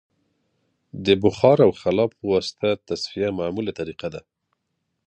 د بخار او خلا په واسطه تصفیه معموله طریقه ده